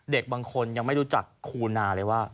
เด็กบางคนยังไม่รู้จักคูนาเลยว่า